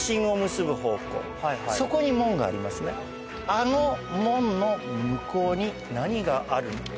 あの門の向こうに何があるのか。